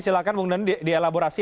silakan bung dhani dielaborasi